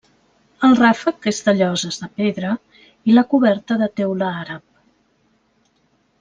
El ràfec és de lloses de pedra i la coberta de teula àrab.